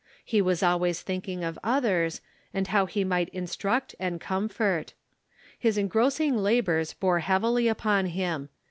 He was always thinking of others, and how he might instruct and comfort. His engross ing labors wore heavily upon him.